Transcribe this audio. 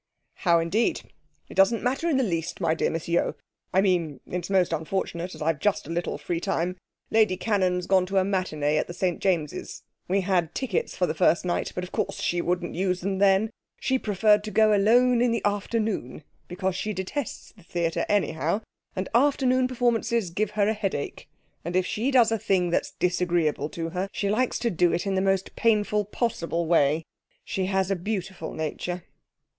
'How indeed? It doesn't matter in the least, my dear Miss Yeo. I mean, it's most unfortunate, as I've just a little free time. Lady Cannon's gone to a matinée at the St James's. We had tickets for the first night, but of course she wouldn't use them then. She preferred to go alone in the afternoon, because she detests the theatre, anyhow, and afternoon performances give her a headache. And if she does a thing that's disagreeable to her, she likes to do it in the most painful possible way. She has a beautiful nature.'